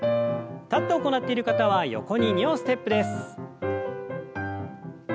立って行っている方は横に２歩ステップです。